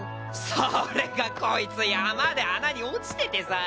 それがこいつ山で穴に落ちててさ。